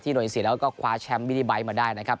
ที่โดยที่๑๔ก็คว้าแชมป์มิลลี่ไบท์มาได้นะครับ